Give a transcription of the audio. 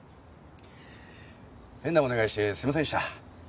変なお願いしてすいませんでした。